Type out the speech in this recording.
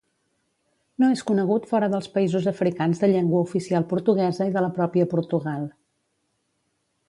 No és conegut fora dels països africans de llengua oficial portuguesa i de la pròpia Portugal.